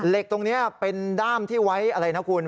เหล็กตรงนี้เป็นด้ามที่ไว้อะไรนะคุณ